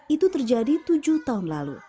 itu terjadi tujuh tahun lalu